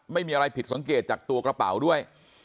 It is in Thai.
ไม่มีอะไรผิดสังเกตจากตัวกระเป๋าด้วย